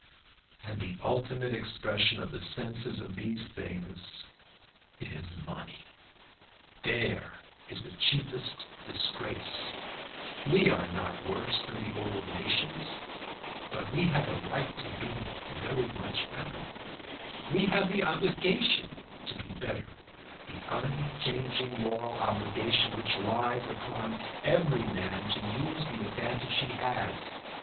"And the ultimate expression of the senses of these things is money. There is the chiefest disgrace. We are not worse than the old nations, but we have a right to be very much better; we have the obligation to be better, the unchanging moral obligation which lies upon every man to use the advantage he has.